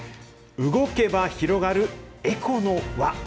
動けば広がるエコの輪。